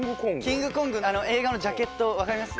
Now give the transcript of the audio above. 『キング・コング』の映画のジャケットわかります？